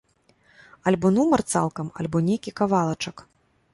Альбо нумар цалкам, альбо нейкі кавалачак.